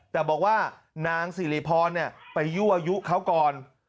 แต่บอกว่านางสิริพรไปยั่วยุเขาก่อน